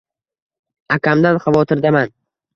Akamdan xavotirdaman.